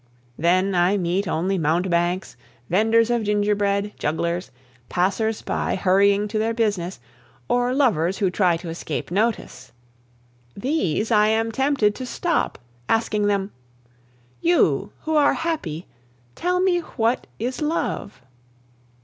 Then I meet only mountebanks, vendors of gingerbread, jugglers, passers by hurrying to their business, or lovers who try to escape notice. These I am tempted to stop, asking them, "You who are happy, tell me what is love."